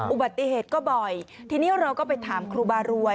อุบัติเหตุก็บ่อยทีนี้เราก็ไปถามครูบารวย